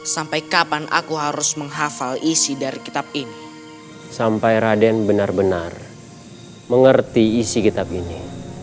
sampai kapan aku harus menghafal isi dari kitab ini